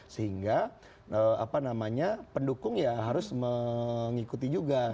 sehingga pendukung ya harus mengikuti juga